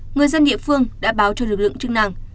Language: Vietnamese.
người dân địa phương đã báo cho lực lượng chức năng